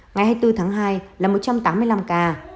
ngày hai mươi bốn tháng hai là một trăm tám mươi năm ca